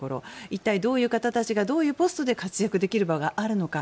一体、どういう方たちがどういうポストで活躍できる場があるのか。